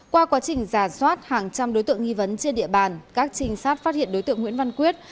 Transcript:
qua quá trình giả soát hàng trăm đối tượng nghi vấn trên địa bàn các trinh sát phát hiện đối tượng nguyễn văn quyết